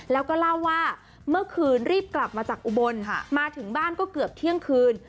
แล้วก็เล่าว่าเมื่อคืนรีบกลับมาจากอุบลมาถึงบ้านก็เกือบเที่ยงคืน